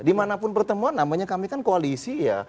dimanapun pertemuan namanya kami kan koalisi ya